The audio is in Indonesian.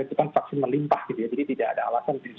itu kan vaksin melimpah jadi tidak ada alasan